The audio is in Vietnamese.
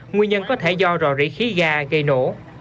nguyên nhân có thể do rò rỉ khí ga gây nổ